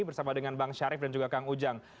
bersama dengan bang syarif dan juga kang ujang